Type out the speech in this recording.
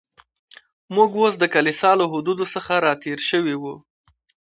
موږ اوس د کلیسا له حدودو څخه را تېر شوي و.